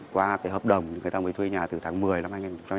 qua hợp đồng người ta mới thuê nhà từ tháng một mươi năm hai nghìn một mươi hai